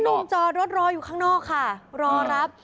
แฟนนุ่มจอดรถรออยู่ข้างนอกค่ะรอรับ